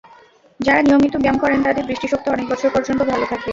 যাঁরা নিয়মিত ব্যায়াম করেন, তাঁদের দৃষ্টিশক্তি অনেক বছর পর্যন্ত ভালো থাকে।